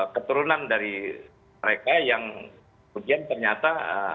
keturunan dari mereka yang kemudian ternyata